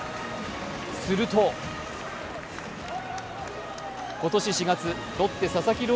すると、今年４月ロッテ・佐々木朗